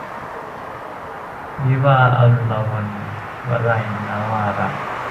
วิวาห์อลวน - วลัย นวาระ